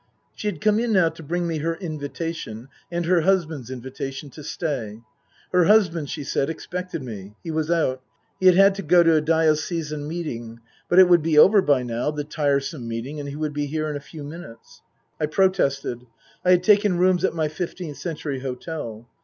She had come in now to bring me her invitation, and her husband's invitation, to stay. Her husband, she said, expected me. He was out ; he had had to go to a Diocesan Meeting but it would be over by now,, the tiresome meeting, and he would be here in a few minutes. I protested. I had taken rooms at my Fifteenth Century hotel.